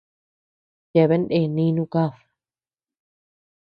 Yeabean ndee nínu kad.